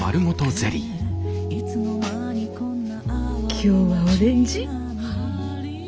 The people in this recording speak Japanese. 今日はオレンジ。